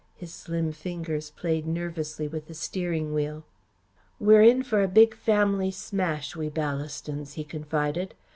His slim fingers played nervously with the steering wheel. "We're in for a big family smash, we Ballastons," he confided.